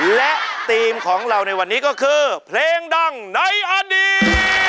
และธีมของเราในวันนี้ก็คือเพลงดังในอดีต